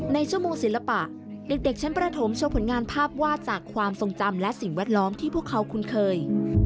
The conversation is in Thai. ในชั่วโมงศิลปะเด็กชั้นประถมโชว์ผลงานภาพวาดจากความทรงจำและสิ่งแวดล้อมที่พวกเขาคุ้นเคย